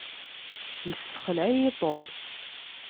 Yessexleɛ-iyi Tom.